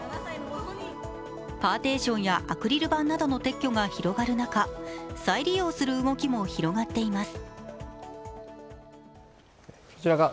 パーティションやアクリル板などの撤去が広がる中、再利用する動きも広がっています。